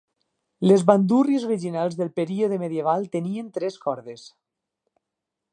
Les bandúrries originals del període medieval tenien tres cordes.